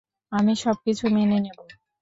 আমি সবকিছু মেনে নেব।